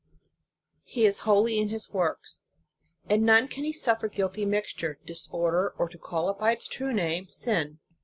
He is holy in His works. In none can He suffer guilty mixture, disorder, or to call it by its true name, sin.